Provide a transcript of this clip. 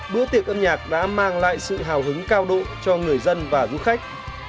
bữa tiệc âm nhạc đã mang lại sự hào hứng cao độ cho người dân và du khách